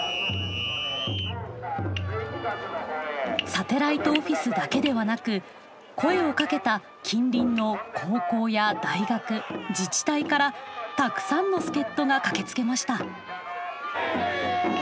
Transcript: サテライトオフィスだけではなく声をかけた近隣の高校や大学自治体からたくさんの助っ人が駆けつけました。